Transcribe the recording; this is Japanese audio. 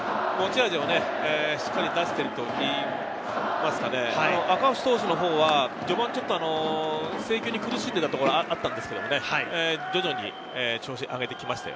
持ち味をしっかり出しているといいますか、赤星投手は序盤、制球に苦しんでいたところがあったんですけれど、徐々に調子を上げて来ました。